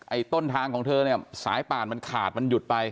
ต้นทางของเธอเนี่ยสายป่านมันขาดมันหยุดไป